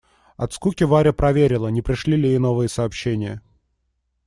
От скуки Варя проверила, не пришли ли ей новые сообщения.